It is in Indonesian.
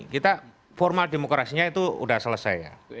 kita formal demokrasinya itu sudah selesai ya